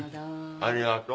ありがとう。